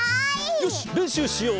よしれんしゅうしよう！